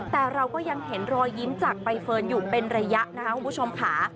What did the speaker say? แต่เราก็ยังเห็นรอยยิ้มจากใบเฟิร์นอยู่เป็นระยะนะครับคุณผู้ชมค่ะ